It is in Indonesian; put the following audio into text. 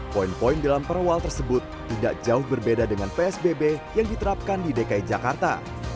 poin poin dalam perwal tersebut tidak jauh berbeda dengan psbb yang diterapkan di dki jakarta